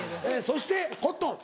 そしてコットン。